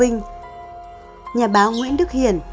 nhà báo nguyễn đức hiền